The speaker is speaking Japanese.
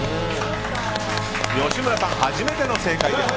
吉村さん、初めての正解です。